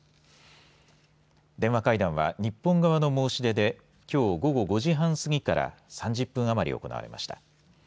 電話会談は日本側の申し出できょう午後５時半すぎから３０分余り行われました。